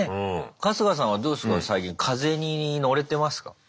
春日さんはどうっすか最近風に乗れてますか？